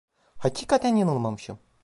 Hakikaten yanılmamışım…